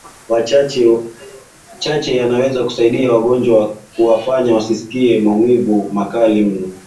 chache yanaweza kusaidia wagonjwa kwa kuwafanya wasisikie maumivu makali mno